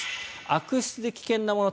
悪質で危険なもの